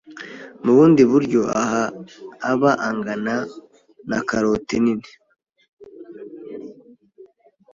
mu bundi buryo, aha aba angana nka karoti nini.